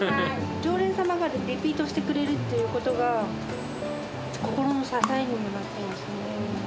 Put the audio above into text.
常連様がリピートしてくれるってことが、心の支えにもなってますね。